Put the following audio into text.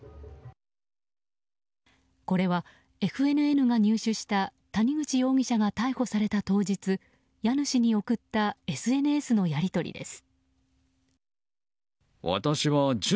これは、ＦＮＮが入手した谷口容疑者が逮捕された当日家主に送ったＳＮＳのやり取りです。